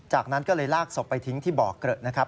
จากนั้นก็เลยลากศพไปทิ้งที่บ่อเกรอะ